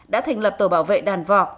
đã thành lập tổ bảo vệ đàn vọc